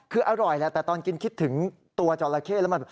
คืออร่อยแล้วแต่ตอนกินคิดถึงตัวจอลลาเค่แล้ว